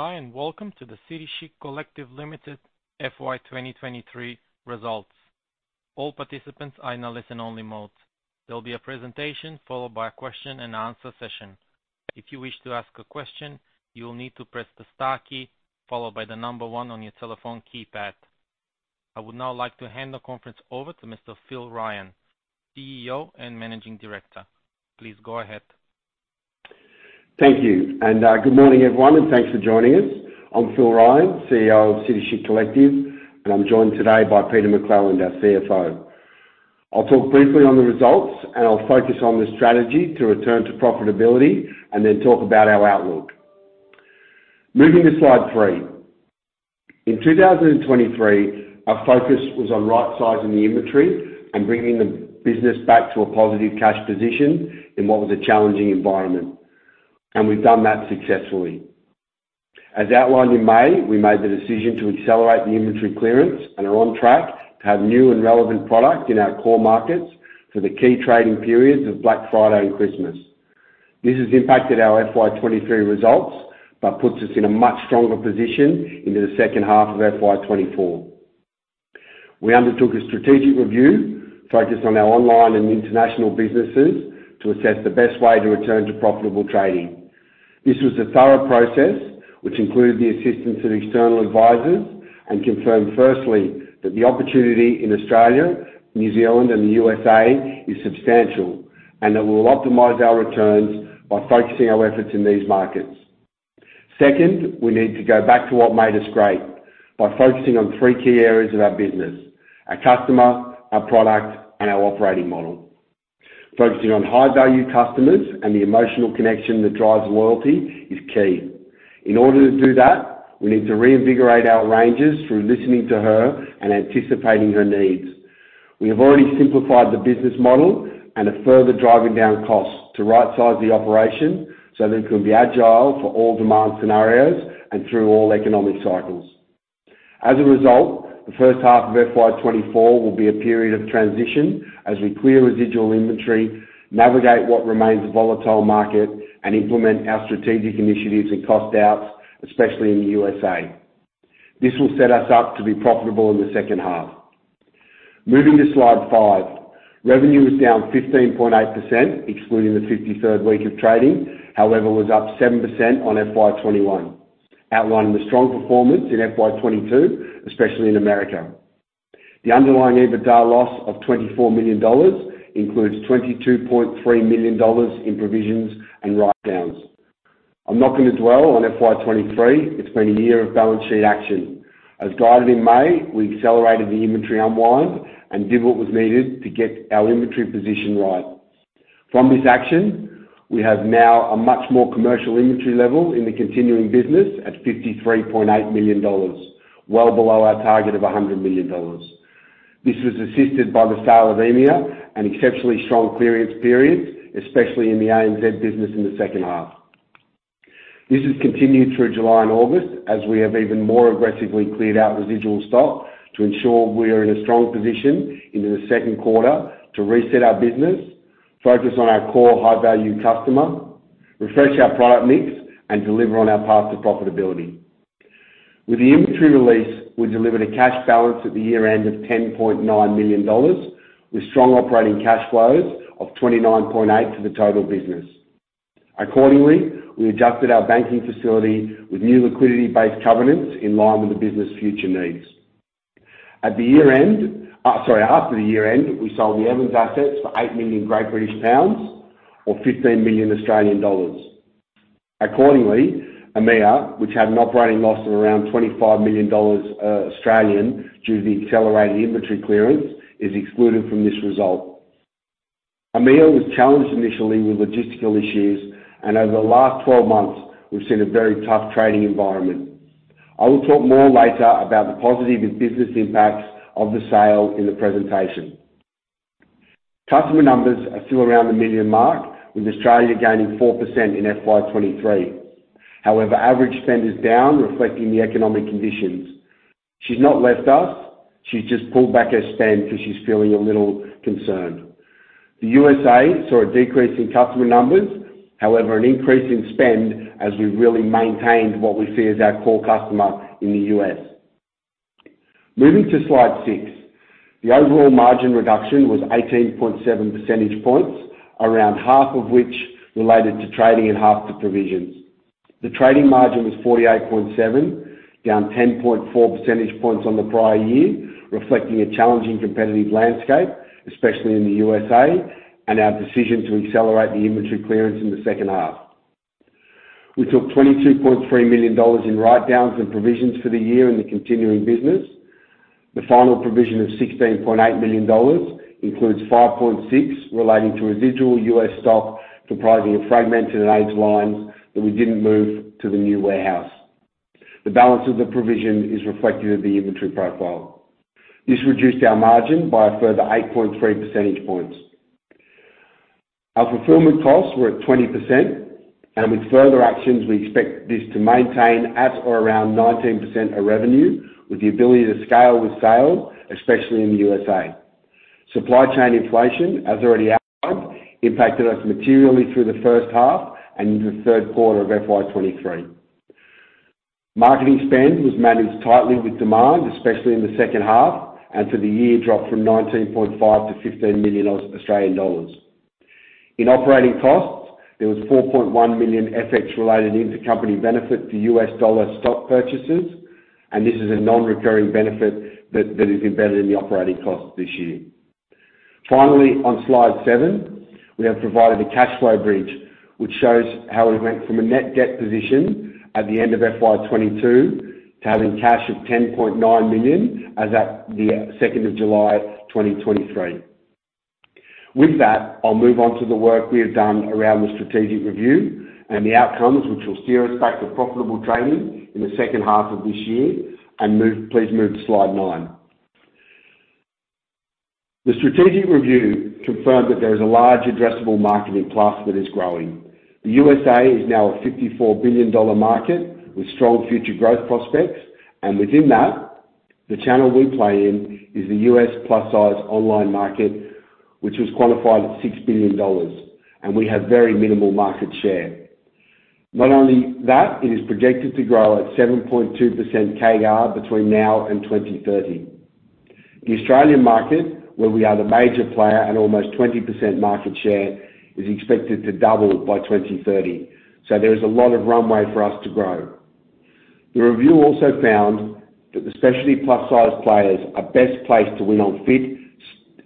Hi, and welcome to the City Chic Collective Limited FY 2023 results. All participants are in a listen-only mode. There'll be a presentation, followed by a question-and-answer session. If you wish to ask a question, you will need to press the star key, followed by the number 1 on your telephone keypad. I would now like to hand the conference over to Mr. Phil Ryan, CEO and Managing Director. Please go ahead. Thank you, and, good morning, everyone, and thanks for joining us. I'm Phil Ryan, CEO of City Chic Collective, and I'm joined today by Peter McClelland, our CFO. I'll talk briefly on the results, and I'll focus on the strategy to return to profitability, and then talk about our outlook. Moving to slide 3. In 2023, our focus was on right-sizing the inventory and bringing the business back to a positive cash position in what was a challenging environment. We've done that successfully. As outlined in May, we made the decision to accelerate the inventory clearance and are on track to have new and relevant product in our core markets for the key trading periods of Black Friday and Christmas. This has impacted our FY23 results, but puts us in a much stronger position into the second half of FY24. We undertook a strategic review focused on our online and international businesses to assess the best way to return to profitable trading. This was a thorough process, which included the assistance of external advisors and confirmed, firstly, that the opportunity in Australia, New Zealand, and the USA is substantial, and that we'll optimize our returns by focusing our efforts in these markets. Second, we need to go back to what made us great by focusing on three key areas of our business: our customer, our product, and our operating model. Focusing on high-value customers and the emotional connection that drives loyalty is key. In order to do that, we need to reinvigorate our ranges through listening to her and anticipating her needs. We have already simplified the business model and are further driving down costs to rightsize the operation so that it can be agile for all demand scenarios and through all economic cycles. As a result, the first half of FY 2024 will be a period of transition as we clear residual inventory, navigate what remains a volatile market, and implement our strategic initiatives and cost outs, especially in the USA. This will set us up to be profitable in the second half. Moving to slide 5. Revenue was down 15.8%, excluding the 53rd week of trading. However, was up 7% on FY 2021, outlining the strong performance in FY 2022, especially in America. The underlying EBITDA loss of 24 million dollars includes 22.3 million dollars in provisions and write-downs. I'm not going to dwell on FY 2023. It's been a year of balance sheet action. As guided in May, we accelerated the inventory unwind and did what was needed to get our inventory position right. From this action, we have now a much more commercial inventory level in the continuing business at 53.8 million dollars, well below our target of 100 million dollars. This was assisted by the sale of EMEA, an exceptionally strong clearance period, especially in the ANZ business in the second half. This has continued through July and August, as we have even more aggressively cleared out residual stock to ensure we are in a strong position into the second quarter to reset our business, focus on our core high-value customer, refresh our product mix, and deliver on our path to profitability. With the inventory release, we delivered a cash balance at the year-end of 10.9 million dollars, with strong operating cash flows of 29.8 million to the total business. Accordingly, we adjusted our banking facility with new liquidity-based covenants in line with the business' future needs. At the year-end, after the year-end, we sold the Evans assets for 8 million or AUD 15 million. Accordingly, EMEA, which had an operating loss of around 25 million Australian dollars, Australian, due to the accelerated inventory clearance, is excluded from this result. EMEA was challenged initially with logistical issues, and over the last 12 months, we've seen a very tough trading environment. I will talk more later about the positive business impacts of the sale in the presentation. Customer numbers are still around the 1 million mark, with Australia gaining 4% in FY 2023. However, average spend is down, reflecting the economic conditions. She's not left us, she's just pulled back her spend because she's feeling a little concerned. The USA saw a decrease in customer numbers, however, an increase in spend as we've really maintained what we see as our core customer in the US. Moving to slide 6. The overall margin reduction was 18.7 percentage points, around half of which related to trading and half to provisions. The trading margin was 48.7, down 10.4 percentage points on the prior year, reflecting a challenging competitive landscape, especially in the USA, and our decision to accelerate the inventory clearance in the second half. We took $22.3 million in write-downs and provisions for the year in the continuing business. The final provision of 16.8 million dollars includes 5.6, relating to residual US stock, comprising of fragmented and aged lines that we didn't move to the new warehouse. The balance of the provision is reflective of the inventory profile. This reduced our margin by a further 8.3 percentage points. Our fulfillment costs were at 20%, and with further actions, we expect this to maintain at or around 19% of revenue, with the ability to scale with sales, especially in the USA. Supply chain inflation, as already outlined, impacted us materially through the first half and into the third quarter of FY23. Marketing spend was managed tightly with demand, especially in the second half, and for the year, dropped from 19.5 million to 15 million Australian dollars. In operating costs, there was 4.1 million FX-related intercompany benefit to US dollar stock purchases, and this is a non-recurring benefit that is embedded in the operating costs this year. Finally, on Slide 7, we have provided a cash flow bridge, which shows how we went from a net debt position at the end of FY 2022 to having cash of 10.9 million as at the second of July 2023. With that, I'll move on to the work we have done around the strategic review and the outcomes which will steer us back to profitable trading in the second half of this year. And move. Please move to Slide 9. The strategic review confirmed that there is a large addressable market in plus that is growing. The USA is now a $54 billion market with strong future growth prospects, and within that, the channel we play in is the US plus-size online market, which was quantified at $6 billion, and we have very minimal market share. Not only that, it is projected to grow at 7.2% CAGR between now and 2030. The Australian market, where we are the major player at almost 20% market share, is expected to double by 2030. So there is a lot of runway for us to grow. The review also found that the specialty plus-size players are best placed to win on fit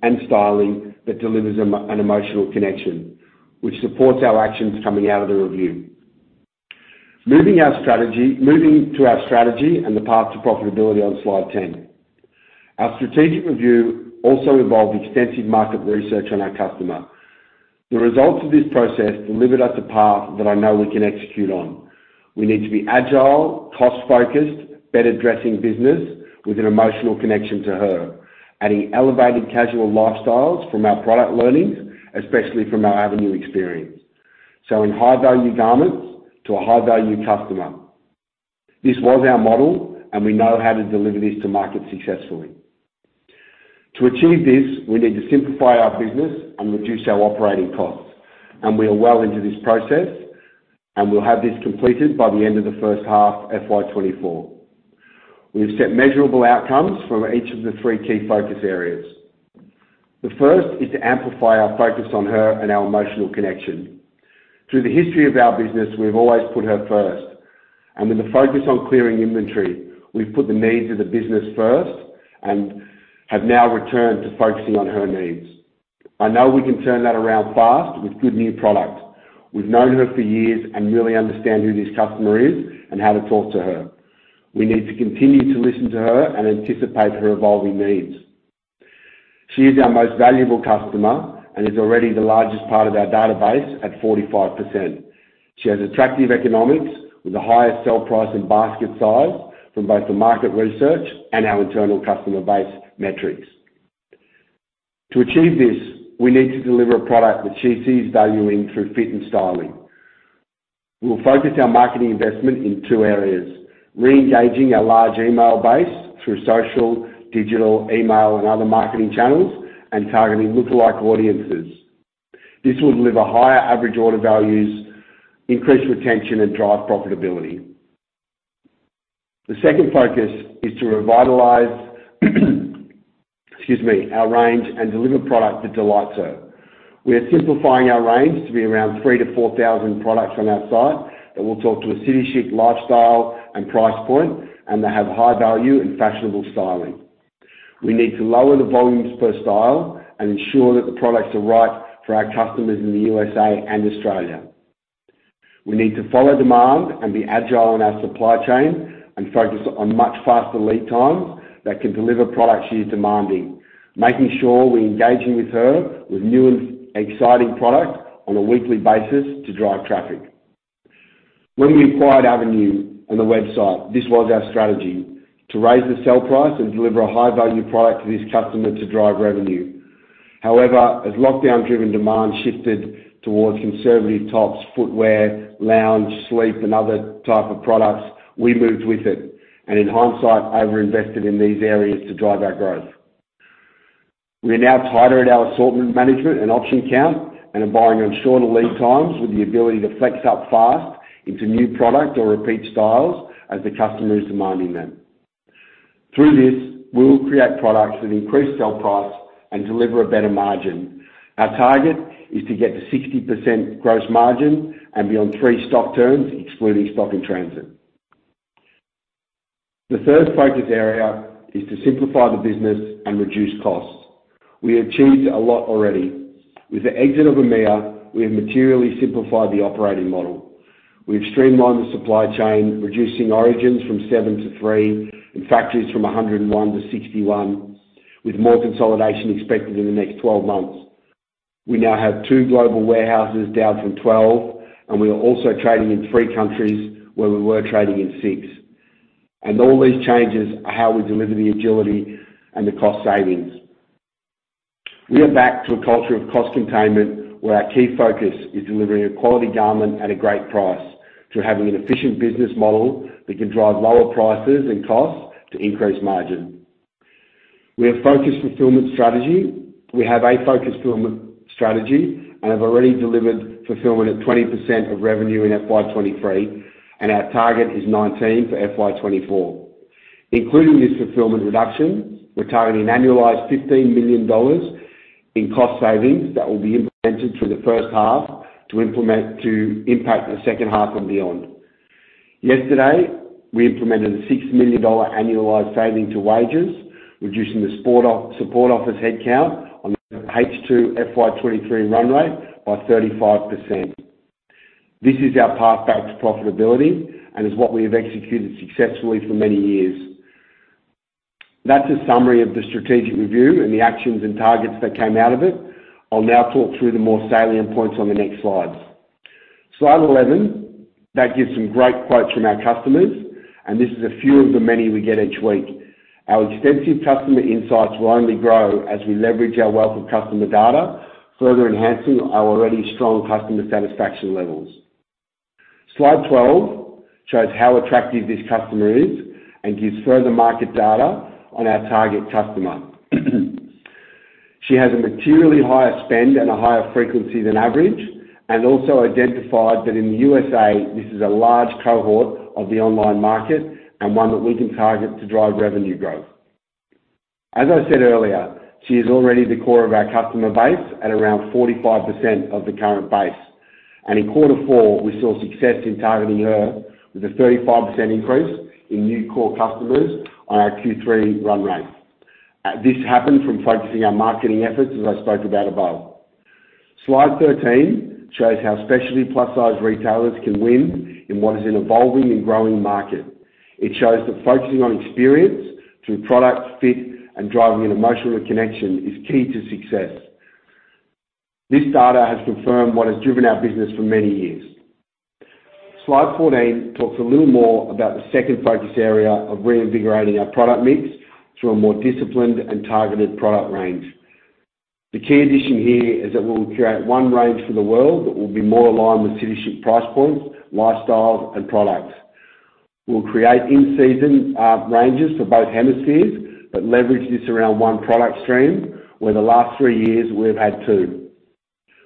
and styling that delivers an emotional connection, which supports our actions coming out of the review. Moving to our strategy and the path to profitability on Slide 10. Our strategic review also involved extensive market research on our customer. The results of this process delivered us a path that I know we can execute on. We need to be agile, cost-focused, better dressing business with an emotional connection to her, adding elevated casual lifestyles from our product learnings, especially from our Avenue experience, selling high-value garments to a high-value customer. This was our model, and we know how to deliver this to market successfully. To achieve this, we need to simplify our business and reduce our operating costs, and we are well into this process, and we'll have this completed by the end of the first half, FY24. We've set measurable outcomes from each of the three key focus areas. The first is to amplify our focus on her and our emotional connection. Through the history of our business, we've always put her first, and with the focus on clearing inventory, we've put the needs of the business first and have now returned to focusing on her needs. I know we can turn that around fast with good new product. We've known her for years and really understand who this customer is and how to talk to her. We need to continue to listen to her and anticipate her evolving needs. She is our most valuable customer and is already the largest part of our database at 45%. She has attractive economics with the highest sell price and basket size from both the market research and our internal customer base metrics. To achieve this, we need to deliver a product that she sees value in through fit and styling. We'll focus our marketing investment in two areas: reengaging our large email base through social, digital, email, and other marketing channels, and targeting lookalike audiences. This will deliver higher average order values, increase retention, and drive profitability. The second focus is to revitalize, excuse me, our range and deliver product that delights her. We are simplifying our range to be around 3-4,000 products on our site that will talk to a City Chic lifestyle and price point, and they have high value and fashionable styling. We need to lower the volumes per style and ensure that the products are right for our customers in the USA and Australia. We need to follow demand and be agile in our supply chain and focus on much faster lead times that can deliver products she's demanding, making sure we're engaging with her with new and exciting product on a weekly basis to drive traffic. When we acquired Avenue on the website, this was our strategy: to raise the sell price and deliver a high-value product to this customer to drive revenue. However, as lockdown-driven demand shifted towards conservative tops, footwear, lounge, sleep, and other type of products, we moved with it and, in hindsight, overinvested in these areas to drive our growth. We are now tighter at our assortment management and option count and are buying on shorter lead times with the ability to flex up fast into new product or repeat styles as the customer is demanding them. Through this, we'll create products with increased sell price and deliver a better margin. Our target is to get to 60% gross margin and be on 3 stock turns, excluding stock in transit. The third focus area is to simplify the business and reduce costs. We achieved a lot already. With the exit of EMEA, we have materially simplified the operating model. We've streamlined the supply chain, reducing origins from 7 to 3 and factories from 101 to 61, with more consolidation expected in the next 12 months. We now have 2 global warehouses, down from 12, and we are also trading in 3 countries, where we were trading in 6. All these changes are how we deliver the agility and the cost savings. We are back to a culture of cost containment, where our key focus is delivering a quality garment at a great price through having an efficient business model that can drive lower prices and costs to increase margin. We have focused fulfillment strategy. We have a focused fulfillment strategy, and have already delivered fulfillment at 20% of revenue in FY 2023, and our target is 19% for FY 2024. Including this fulfillment reduction, we're targeting an annualized 15 million dollars in cost savings that will be implemented through the first half to impact the second half and beyond. Yesterday, we implemented a 6 million dollar annualized saving to wages, reducing the support office headcount on the H2 FY 2023 run rate by 35%. This is our path back to profitability and is what we have executed successfully for many years. That's a summary of the strategic review and the actions and targets that came out of it. I'll now talk through the more salient points on the next slides. Slide 11, that gives some great quotes from our customers, and this is a few of the many we get each week. Our extensive customer insights will only grow as we leverage our wealth of customer data, further enhancing our already strong customer satisfaction levels. Slide 12 shows how attractive this customer is and gives further market data on our target customer. She has a materially higher spend and a higher frequency than average, and also identified that in the USA, this is a large cohort of the online market and one that we can target to drive revenue growth. As I said earlier, she is already the core of our customer base at around 45% of the current base, and in quarter four, we saw success in targeting her with a 35% increase in new core customers on our Q3 run rate. This happened from focusing our marketing efforts, as I spoke about above. Slide 13 shows how specialty plus-size retailers can win in what is an evolving and growing market. It shows that focusing on experience through product fit and driving an emotional connection is key to success. This data has confirmed what has driven our business for many years. Slide 14 talks a little more about the second focus area of reinvigorating our product mix through a more disciplined and targeted product range. The key addition here is that we'll create one range for the world that will be more aligned with City Chic price points, lifestyles, and products. We'll create in-season, ranges for both hemispheres, but leverage this around one product stream, where the last three years we've had two.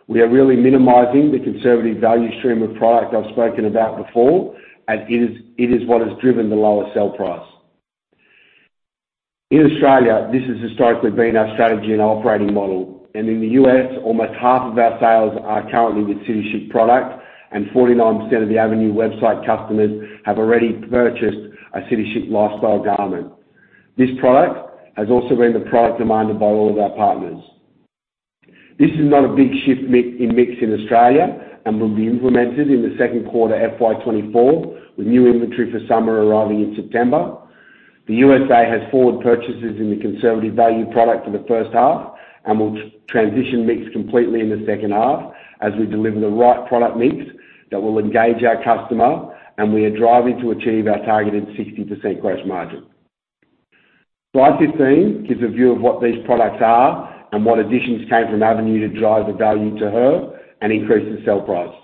We are really minimizing the conservative value stream of product I've spoken about before, and it is, it is what has driven the lower sell price. In Australia, this has historically been our strategy and operating model, and in the U.S., almost half of our sales are currently with City Chic product, and 49% of the Avenue website customers have already purchased a City Chic lifestyle garment. This product has also been the product demanded by all of our partners. This is not a big shift in mix in Australia and will be implemented in the second quarter FY 2024, with new inventory for summer arriving in September. The USA has forward purchases in the conservative value product for the first half, and will transition mix completely in the second half as we deliver the right product mix that will engage our customer, and we are driving to achieve our targeted 60% gross margin. Slide 15 gives a view of what these products are and what additions came from Avenue to drive the value to her and increase the sell price.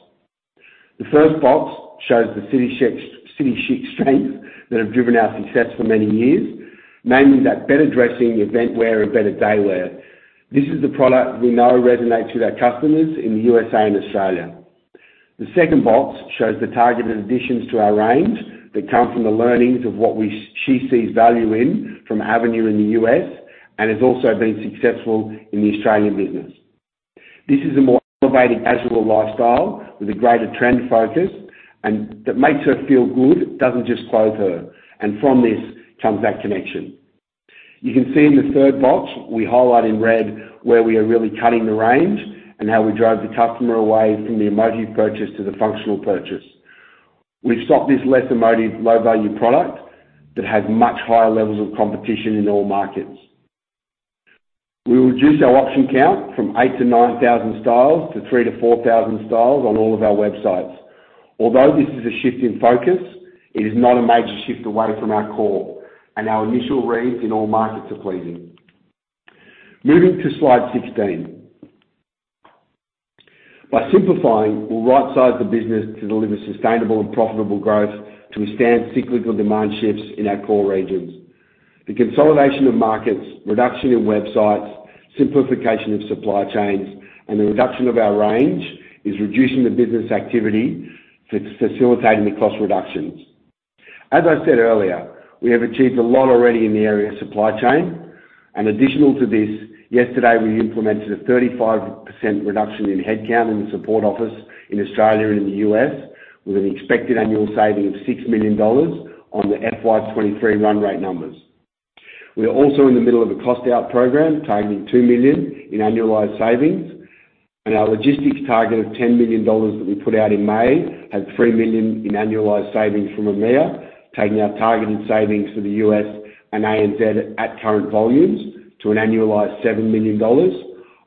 The first box shows the City Chic, City Chic strengths that have driven our success for many years, mainly that better dressing, event wear, and better daywear. This is the product we know resonates with our customers in the USA and Australia. The second box shows the targeted additions to our range that come from the learnings of what she sees value in from Avenue in the U.S., and has also been successful in the Australian business. This is a more elevated casual lifestyle with a greater trend focus, and that makes her feel good, doesn't just clothe her, and from this comes that connection. You can see in the third box, we highlight in red where we are really cutting the range and how we drive the customer away from the emotive purchase to the functional purchase. We've stopped this less emotive, low-value product that has much higher levels of competition in all markets. We will reduce our option count from 8,000-9,000 styles to 3,000-4,000 styles on all of our websites. Although this is a shift in focus, it is not a major shift away from our core, and our initial reads in all markets are pleasing. Moving to slide 16. By simplifying, we'll rightsize the business to deliver sustainable and profitable growth to withstand cyclical demand shifts in our core regions. The consolidation of markets, reduction in websites, simplification of supply chains, and the reduction of our range is reducing the business activity facilitating the cost reductions. As I said earlier, we have achieved a lot already in the area of supply chain, and additional to this, yesterday, we implemented a 35% reduction in headcount in the support office in Australia and in the US, with an expected annual saving of 6 million dollars on the FY23 run rate numbers. We are also in the middle of a cost-out program, targeting 2 million in annualized savings, and our logistics target of 10 million dollars that we put out in May has 3 million in annualized savings from EMEA, taking our targeted savings for the US and ANZ at current volumes to an annualized 7 million dollars,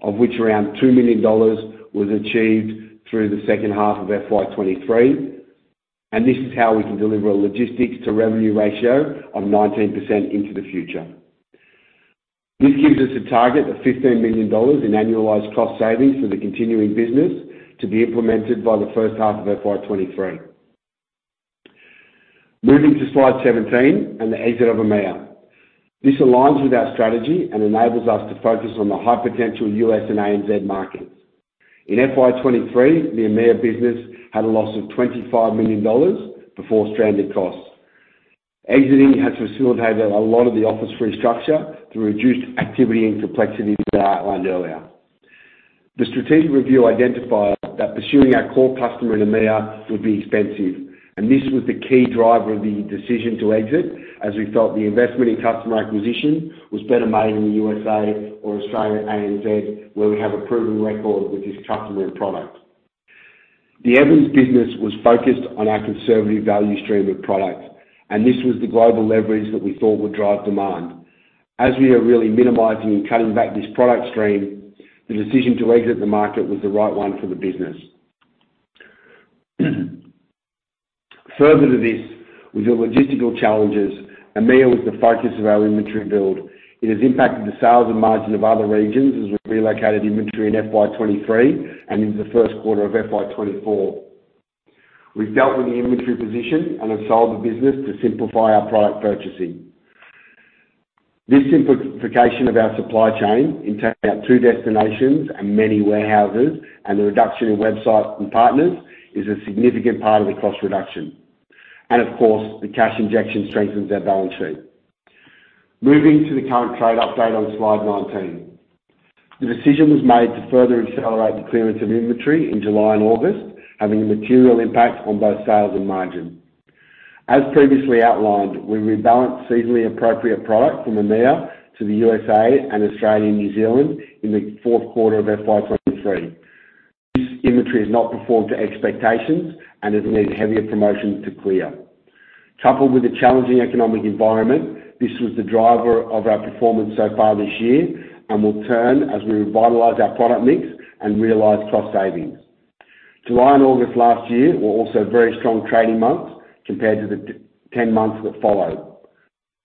of which around 2 million dollars was achieved through the second half of FY 2023. This is how we can deliver a logistics to revenue ratio of 19% into the future. This gives us a target of 15 million dollars in annualized cost savings for the continuing business to be implemented by the first half of FY 2023. Moving to Slide 17 and the exit of EMEA. This aligns with our strategy and enables us to focus on the high-potential US and ANZ markets. In FY23, the EMEA business had a loss of 25 million dollars before stranded costs. Exiting has facilitated a lot of the office restructure to reduce activity and complexity that I outlined earlier. The strategic review identified that pursuing our core customer in EMEA would be expensive, and this was the key driver of the decision to exit, as we felt the investment in customer acquisition was better made in the USA or Australia, ANZ, where we have a proven record with this customer and product. The Evans business was focused on our conservative value stream of products, and this was the global leverage that we thought would drive demand. As we are really minimizing and cutting back this product stream, the decision to exit the market was the right one for the business. Further to this, with the logistical challenges, EMEA was the focus of our inventory build. It has impacted the sales and margin of other regions as we relocated inventory in FY 2023 and into the first quarter of FY 2024. We've dealt with the inventory position and have sold the business to simplify our product purchasing. This simplification of our supply chain into our two destinations and many warehouses, and the reduction in websites and partners, is a significant part of the cost reduction. Of course, the cash injection strengthens our balance sheet. Moving to the current trade update on Slide 19. The decision was made to further accelerate the clearance of inventory in July and August, having a material impact on both sales and margin. As previously outlined, we rebalanced seasonally appropriate product from EMEA to the USA and Australia and New Zealand in the fourth quarter of FY 2023. This inventory has not performed to expectations and has needed heavier promotion to clear. Coupled with the challenging economic environment, this was the driver of our performance so far this year and will turn as we revitalize our product mix and realize cost savings. July and August last year were also very strong trading months compared to the ten months that followed,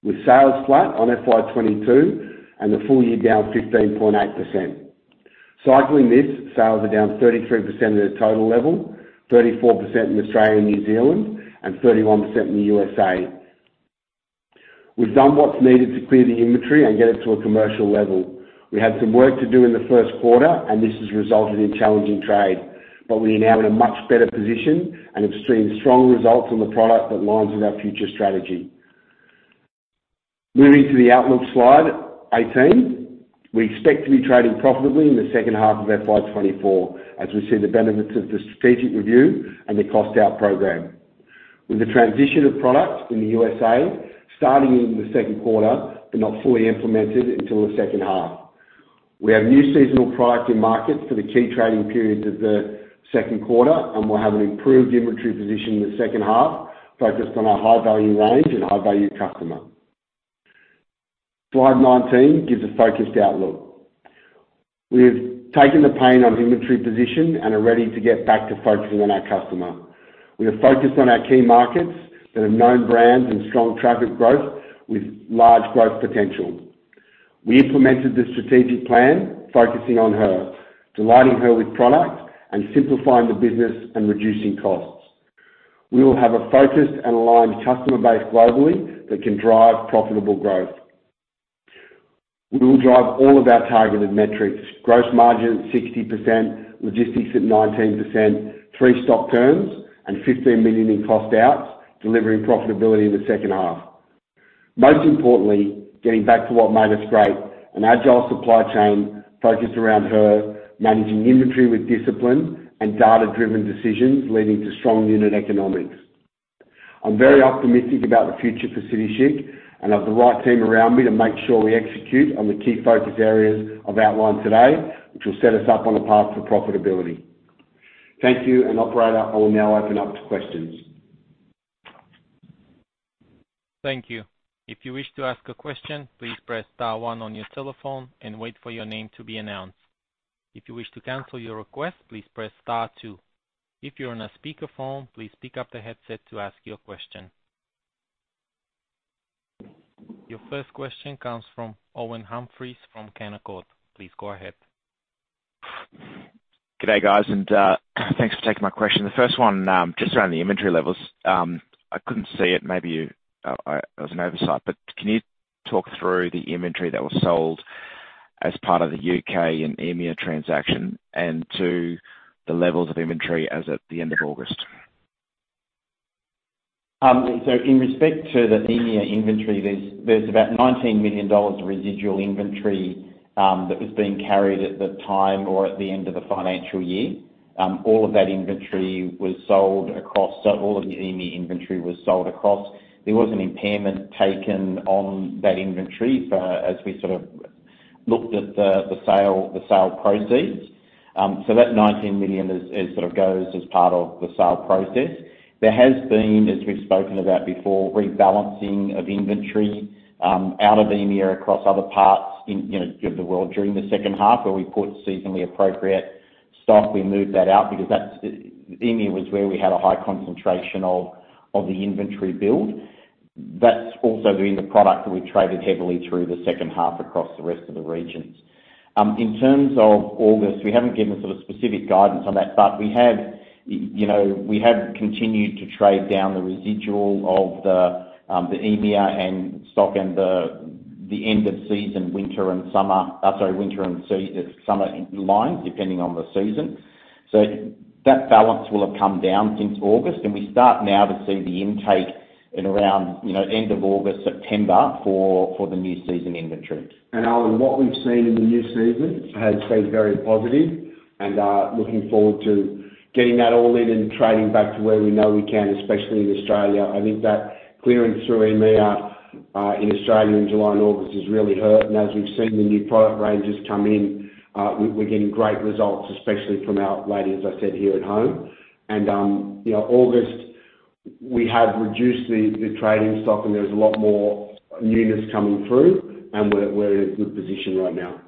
with sales flat on FY 2022 and the full year down 15.8%. Cycling this, sales are down 33% at a total level, 34% in Australia and New Zealand, and 31% in the USA. We've done what's needed to clear the inventory and get it to a commercial level. We had some work to do in the first quarter, and this has resulted in challenging trade, but we are now in a much better position and have seen strong results on the product that aligns with our future strategy. Moving to the outlook, Slide 18. We expect to be trading profitably in the second half of FY 2024, as we see the benefits of the strategic review and the cost-out program. With the transition of products in the USA starting in the second quarter, but not fully implemented until the second half. We have new seasonal products in market for the key trading periods of the second quarter, and we'll have an improved inventory position in the second half, focused on our high-value range and high-value customer. Slide 19 gives a focused outlook. We've taken the pain on inventory position and are ready to get back to focusing on our customer. We are focused on our key markets that have known brands and strong traffic growth, with large growth potential. We implemented the strategic plan, Focusing on Her, delighting her with product and simplifying the business and reducing costs. We will have a focused and aligned customer base globally that can drive profitable growth. We will drive all of our targeted metrics, gross margin, 60%, logistics at 19%, 3 stock turns, and 15 million in cost out, delivering profitability in the second half. Most importantly, getting back to what made us great, an agile supply chain focused around her, managing inventory with discipline and data-driven decisions, leading to strong unit economics. I'm very optimistic about the future for City Chic, and I have the right team around me to make sure we execute on the key focus areas I've outlined today, which will set us up on a path to profitability. Thank you, and operator, I will now open up to questions. Thank you. If you wish to ask a question, please press star one on your telephone and wait for your name to be announced. If you wish to cancel your request, please press star two. If you're on a speakerphone, please pick up the headset to ask your question. Your first question comes from Owen Humphries from Canaccord. Please go ahead. Good day, guys, and thanks for taking my question. The first one, just around the inventory levels. I couldn't see it, maybe it was an oversight, but can you talk through the inventory that was sold as part of the UK and EMEA transaction, and two, the levels of inventory as at the end of August? So in respect to the EMEA inventory, there's about 19 million dollars of residual inventory that was being carried at the time or at the end of the financial year. All of that inventory was sold across. So all of the EMEA inventory was sold across. There was an impairment taken on that inventory, so as we sort of looked at the sale proceeds. So that 19 million is sort of goes as part of the sale process. There has been, as we've spoken about before, rebalancing of inventory out of EMEA, across other parts in, you know, the world during the second half, where we put seasonally appropriate stock. We moved that out because that's. EMEA was where we had a high concentration of the inventory build. ... That's also been the product that we've traded heavily through the second half across the rest of the regions. In terms of August, we haven't given sort of specific guidance on that, but we have, you know, we have continued to trade down the residual of the, the EMEA and stock and the, the end of season, winter and summer lines, depending on the season. So that balance will have come down since August, and we start now to see the intake at around, you know, end of August, September, for the new season inventory. On what we've seen in the new season, has been very positive, and looking forward to getting that all in and trading back to where we know we can, especially in Australia. I think that clearance through EMEA in Australia in July and August has really hurt. As we've seen the new product ranges come in, we're getting great results, especially from our lady, as I said, here at home. You know, August, we have reduced the trading stock, and there's a lot more newness coming through, and we're in a good position right now.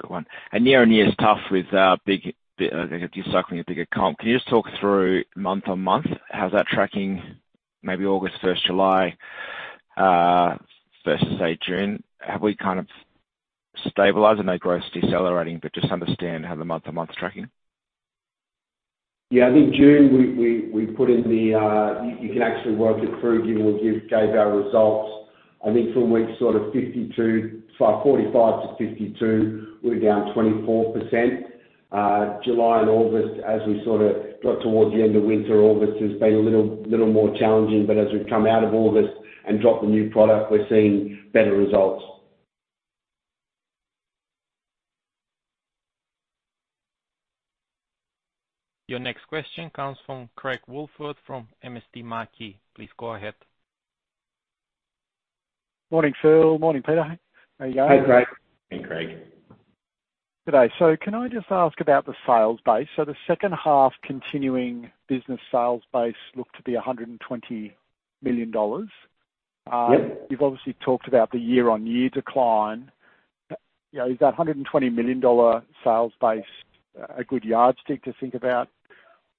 Good one. Year-on-year is tough with, big, just cycling a bigger comp. Can you just talk through month-on-month, how's that tracking? Maybe August first, July, versus, say, June. Have we kind of stabilized? I know growth is decelerating, but just understand how the month-on-month is tracking. Yeah, I think June, we put in the... You can actually work it through, given we gave our results. I think from week sort of 52, 45-52, we're down 24%. July and August, as we sort of got towards the end of winter, August has been a little more challenging, but as we've come out of August and dropped the new product, we're seeing better results. Your next question comes from Craig Woolford, from MST Marquee. Please go ahead. Morning, Phil. Morning, Peter. How are you guys? Hi, Craig. Hey, Craig. Good day. So can I just ask about the sales base? So the second half continuing business sales base looked to be $120 million. Yeah. You've obviously talked about the year-on-year decline. You know, is that $120 million sales base a good yardstick to think about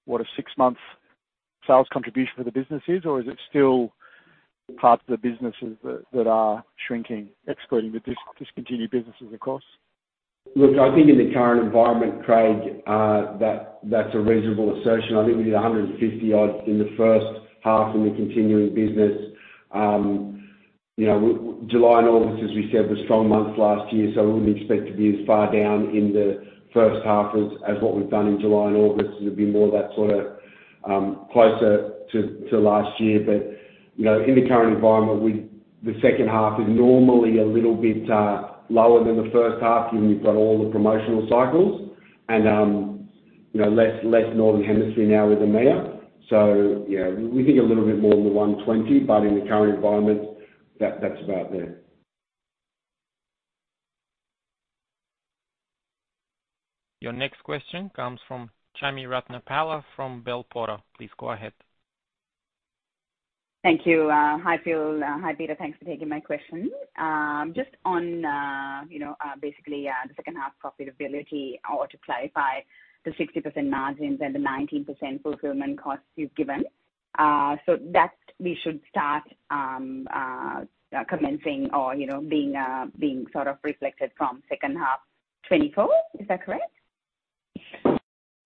what a six-month sales contribution for the business is? Or is it still parts of the businesses that are shrinking, excluding the discontinued businesses, of course? Look, I think in the current environment, Craig, that's a reasonable assertion. I think we did 150 in the first half in the continuing business. You know, July and August, as we said, were strong months last year, so I wouldn't expect to be as far down in the first half as what we've done in July and August. It'd be more of that sort of closer to last year. But, you know, in the current environment, we, the second half is normally a little bit lower than the first half, and we've got all the promotional cycles and, you know, less northern hemisphere now with EMEA. So, you know, we think a little bit more than 120, but in the current environment, that's about there. Your next question comes from Chami Ratnapala, from Bell Potter. Please go ahead. Thank you. Hi, Phil. Hi, Peter. Thanks for taking my question. Just on, you know, basically, the second half profitability, or to clarify, the 60% margins and the 19% fulfillment costs you've given. So that we should start, commencing or, you know, being, being sort of reflected from second half 2024, is that correct?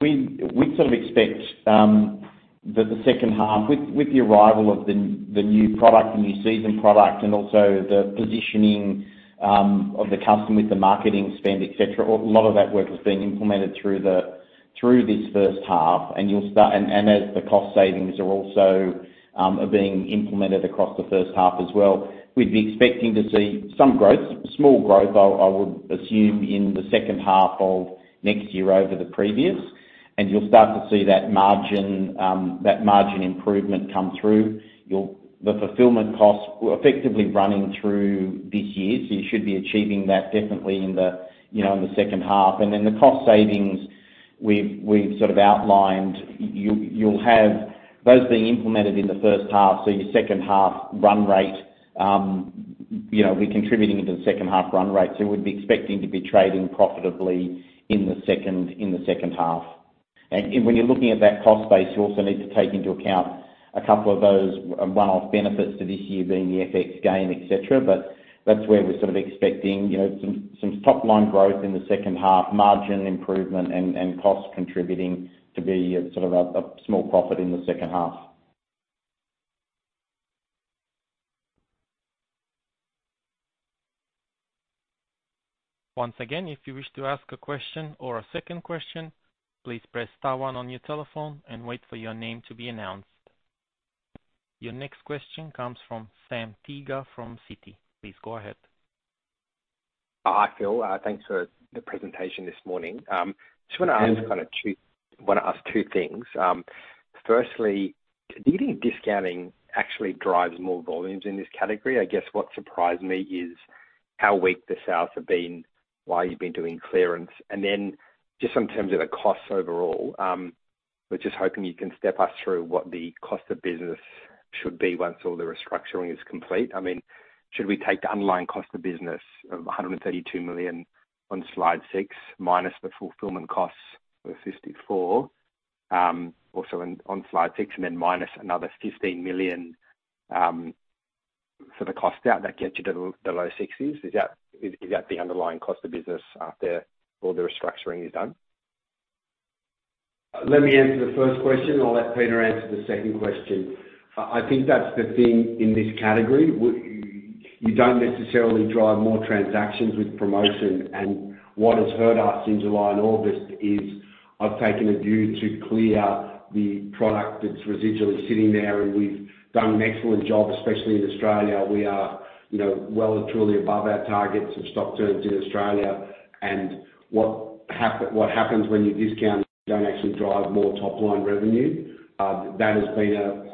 We sort of expect that the second half, with the arrival of the new product, the new season product, and also the positioning of the customer with the marketing spend, et cetera, a lot of that work was being implemented through this first half, and you'll start, and as the cost savings are also being implemented across the first half as well, we'd be expecting to see some growth, small growth, I would assume, in the second half of next year over the previous. And you'll start to see that margin, that margin improvement come through. You'll. The fulfillment costs were effectively running through this year, so you should be achieving that definitely in the, you know, in the second half. And then the cost savings, we've sort of outlined, you'll have those being implemented in the first half, so your second half run rate, you know, be contributing into the second half run rate. So we'd be expecting to be trading profitably in the second half. And when you're looking at that cost base, you also need to take into account a couple of those one-off benefits to this year being the FX gain, et cetera. But that's where we're sort of expecting, you know, some top-line growth in the second half, margin improvement, and cost contributing to be sort of a small profit in the second half. Once again, if you wish to ask a question or a second question, please press star one on your telephone and wait for your name to be announced. Your next question comes from Sam Teeger from Citi. Please go ahead. Hi, Phil. Thanks for the presentation this morning. I just wanna ask two things. Firstly, do you think discounting actually drives more volumes in this category? I guess what surprised me is how weak the sales have been while you've been doing clearance. And then just in terms of the costs overall, we're just hoping you can step us through what the cost of business should be once all the restructuring is complete? I mean, should we take the underlying cost of business of 132 million on slide six, minus the fulfillment costs of 54 million, also on slide six, and then minus another 15 million for the cost out, that gets you to the low 60s. Is that the underlying cost of business after all the restructuring is done? Let me answer the first question. I'll let Peter answer the second question. I think that's the thing in this category. You don't necessarily drive more transactions with promotion, and what has hurt us in July and August is, I've taken a view to clear the product that's residually sitting there, and we've done an excellent job, especially in Australia. We are, you know, well and truly above our targets of stock turns in Australia. And what happens when you discount, you don't actually drive more top-line revenue. That has been a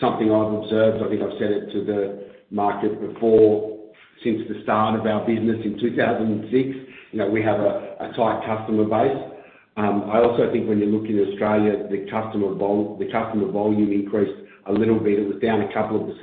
something I've observed. I think I've said it to the market before, since the start of our business in 2006, you know, we have a tight customer base. I also think when you look in Australia, the customer volume increased a little bit. It was down a couple of %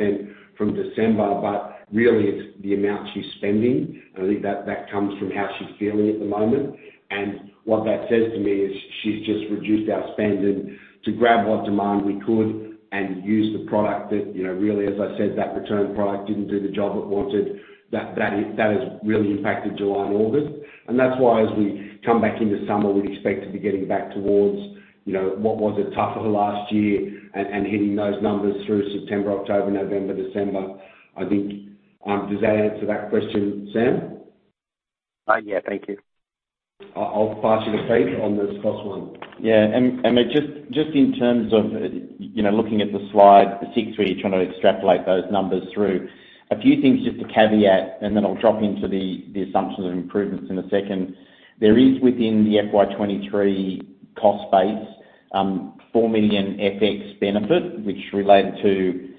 from December, but really it's the amount she's spending, and I think that comes from how she's feeling at the moment. And what that says to me is, she's just reduced our spend and to grab what demand we could and use the product that, you know, really, as I said, that return product didn't do the job it wanted. That has really impacted July and August. And that's why as we come back into summer, we'd expect to be getting back towards, you know, what was the top of last year and hitting those numbers through September, October, November, December. I think, does that answer that question, Sam? Yeah. Thank you. I'll pass you to Pete on this last one. Yeah, and just in terms of, you know, looking at the slide, the six where you're trying to extrapolate those numbers through, a few things just to caveat, and then I'll drop into the assumptions and improvements in a second. There is within the FY 23 cost base, 4 million FX benefit, which related to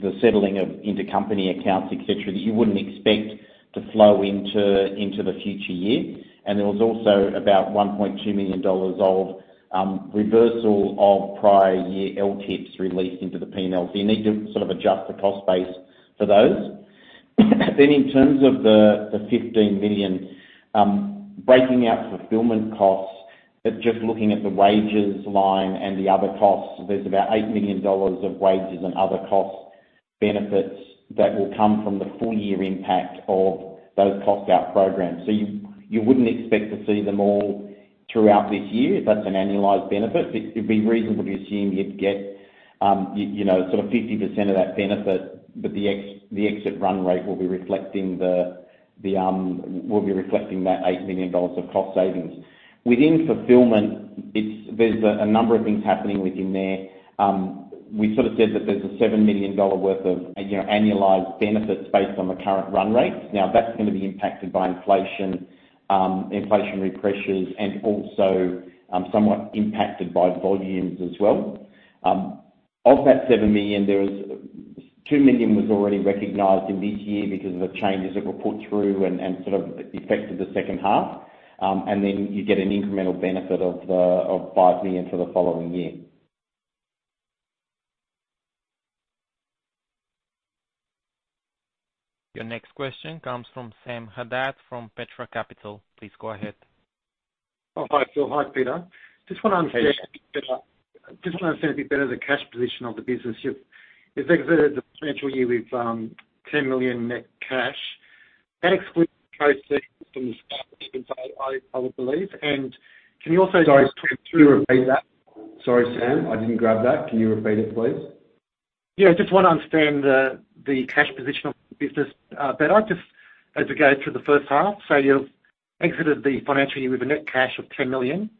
the settling of intercompany accounts, et cetera, that you wouldn't expect to flow into the future year. And there was also about 1.2 million dollars of reversal of prior year LTIPs released into the P&L. So you need to sort of adjust the cost base for those. Then in terms of the 15 million, breaking out fulfillment costs, but just looking at the wages line and the other costs, there's about 8 million dollars of wages and other costs, benefits that will come from the full year impact of those cost out programs. So you wouldn't expect to see them all throughout this year if that's an annualized benefit. But it'd be reasonable to assume you'd get, you know, sort of 50% of that benefit, but the exit run rate will be reflecting that 8 million dollars of cost savings. Within fulfillment, there's a number of things happening within there. We sort of said that there's 7 million dollar worth of, you know, annualized benefits based on the current run rate. Now, that's gonna be impacted by inflation, inflationary pressures, and also, somewhat impacted by volumes as well. Of that 7 million, there was, 2 million was already recognized in this year because of the changes that were put through and, and sort of affected the second half. And then you get an incremental benefit of, of 5 million for the following year. Your next question comes from Sam Haddad from Petra Capital. Please go ahead. Oh, hi, Phil. Hi, Peter. Hey, Sam. Just wanna understand a bit better, just wanna understand a bit better the cash position of the business. You've exited the financial year with 10 million net cash. That excludes proceeds from the sale of Evans, I believe. And can you also just- Sorry, can you repeat that? Sorry, Sam, I didn't grab that. Can you repeat it, please? Yeah, just wanna understand the, the cash position of the business, better. Just as we go through the first half, so you've exited the financial year with a net cash of 10 million.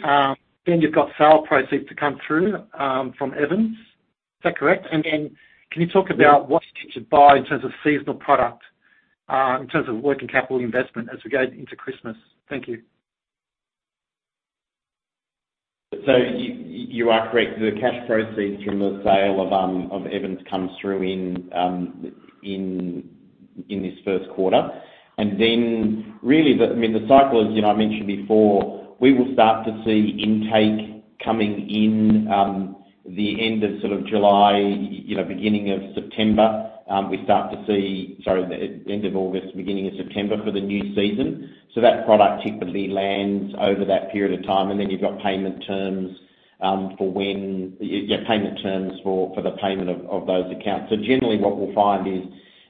Then you've got sale proceeds to come through, from Evans. Is that correct? Yes. Then can you talk about what you need to buy in terms of seasonal product, in terms of working capital investment as we go into Christmas? Thank you. So you are correct. The cash proceeds from the sale of Evans comes through in this first quarter. And then really, I mean, the cycle, as you know, I mentioned before, we will start to see intake coming in the end of sort of July, you know, beginning of September, we start to see. Sorry, the end of August, beginning of September for the new season. So that product typically lands over that period of time, and then you've got payment terms for when, yeah, payment terms for the payment of those accounts. So generally, what we'll find is,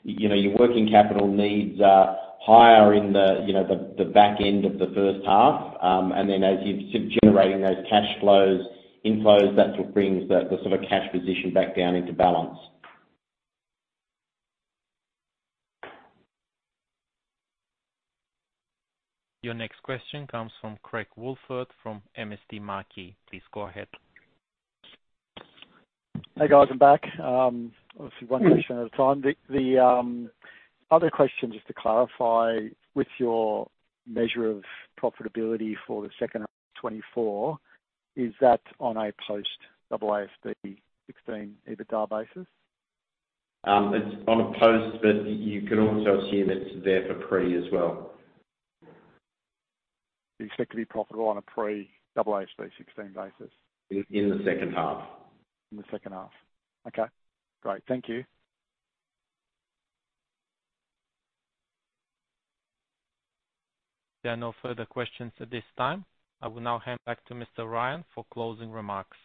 you know, your working capital needs are higher in the, you know, the back end of the first half. And then as you're generating those cash flows, inflows, that's what brings the sort of cash position back down into balance. Your next question comes from Craig Wolford, from MSD Marquis. Please go ahead. Hey, guys, I'm back. Obviously, one question at a time. The other question, just to clarify with your measure of profitability for the second of 2024, is that on a post AASB 16 EBITDA basis? It's on a post, but you could also assume it's there for pre as well. You expect to be profitable on a pre AASB 16 basis? In the second half. In the second half. Okay, great. Thank you. There are no further questions at this time. I will now hand back to Mr. Ryan for closing remarks.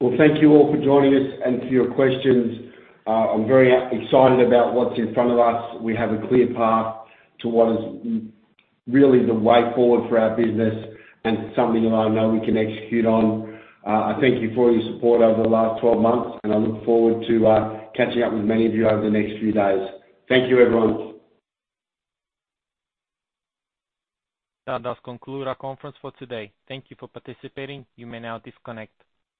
Well, thank you all for joining us and for your questions. I'm very excited about what's in front of us. We have a clear path to what is really the way forward for our business and something that I know we can execute on. I thank you for all your support over the last 12 months, and I look forward to catching up with many of you over the next few days. Thank you, everyone. That does conclude our conference for today. Thank you for participating. You may now disconnect.